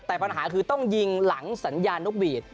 แต่ปัญหาคือต้องยิงหลังสัญญาณนกหวีด